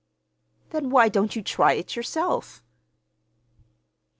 "Then why don't you try it yourself?"